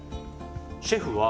シェフは。